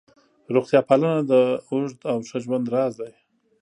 روغتیا پالنه د اوږد او ښه ژوند راز دی.